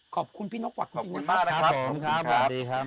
ขอบคุณพี่น๊อคหวัดจริงมาก